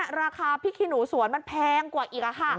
ราคาพริกขี้หนูสวนมันแพงกว่าอีก